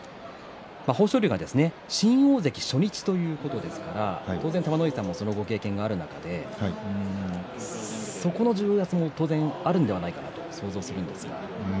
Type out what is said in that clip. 豊昇龍が新大関初日ということですから当然、玉ノ井さんもそのご経験がある中で重圧もあるんじゃないかなと想像するんですが。